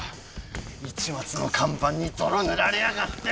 市松の看板に泥塗られやがって！